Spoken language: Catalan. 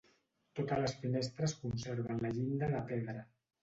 Totes les finestres conserven la llinda de pedra.